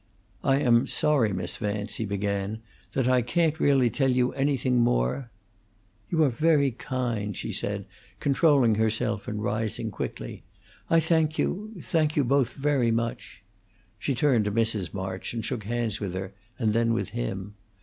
"I am sorry, Miss Vance," he began, "that I can't really tell you anything more " "You are very kind," she said, controlling herself and rising quickly. "I thank you thank you both very much." She turned to Mrs. March and shook hands with her and then with him.